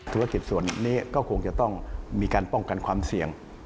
ธุรกิจส่วนนี้ก็คงจะต้องมีการป้องกันความเสี่ยง